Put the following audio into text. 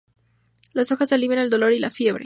Las hojas alivian el dolor y la fiebre.